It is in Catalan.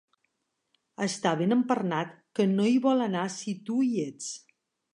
Està ben empernat que no hi vol anar si tu hi ets.